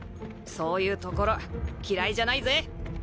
そういうところ嫌いじゃないぜ。